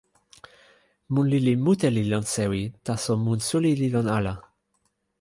mun lili mute li lon sewi, taso mun suli li lon ala.